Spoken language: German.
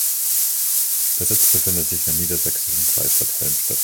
Der Sitz befindet sich in der niedersächsischen Kreisstadt Helmstedt.